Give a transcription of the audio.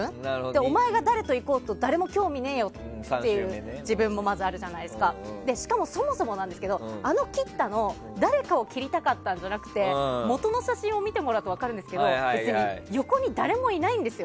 お前が誰と行こうと誰も興味ないという自分もあるししかもそもそも、あの切ったの誰かを切りたかったんじゃなくてもとの写真を見てもらうと分かるんですけど別に横に誰もいないんですよ。